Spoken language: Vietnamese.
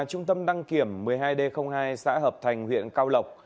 trung tâm đăng kiểm xe cơ giới một mươi hai d hai xã hợp thành huyện cao lộc